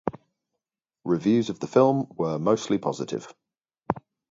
Reviews of the film were mostly positive.